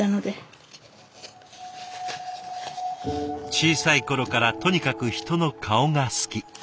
小さい頃からとにかく人の顔が好き。